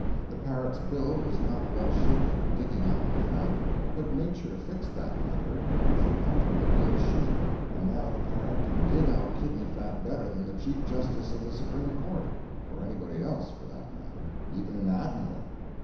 The parrot's bill was not well shaped for digging out the fat, but Nature fixed that matter; she altered the bill's shape, and now the parrot can dig out kidney fat better than the Chief Justice of the Supreme Court, or anybody else, for that matter even an Admiral.